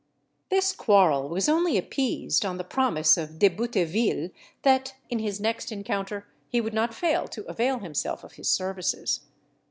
This quarrel was only appeased on the promise of De Bouteville that, in his next encounter, he would not fail to avail himself of his services.